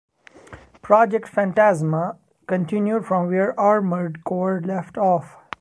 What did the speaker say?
"Project Phantasma" continued from where "Armored Core" left off.